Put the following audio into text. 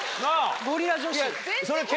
ゴリラ女子。